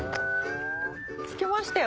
着きましたよ。